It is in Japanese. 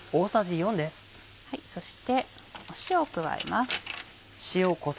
そして塩を加えます。